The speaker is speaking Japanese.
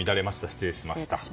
失礼しました。